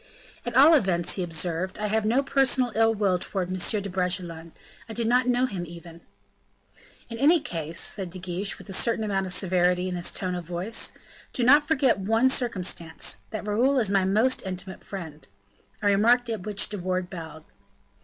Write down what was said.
"At all events," he observed, "I have no personal ill will towards M. de Bragelonne; I do not know him even." "In any case," said De Guiche, with a certain amount of severity in his tone of voice, "do not forget one circumstance, that Raoul is my most intimate friend;" a remark at which De Wardes bowed.